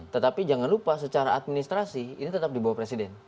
tetapi jangan lupa secara administrasi ini tetap di bawah presiden